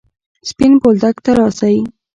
سپين بولدک ته راسئ!